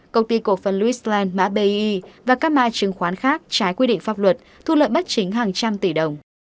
công ty cổ phân lewis land và các mã chứng khoán khác trái quy định pháp luật thu lợi bất chính hàng trăm tỷ đồng